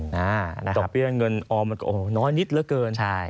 ดอกเบี้ยเงินออมน้อยนิดเหลือเกิน